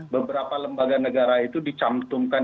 beberapa lembaga negara itu dicantumkan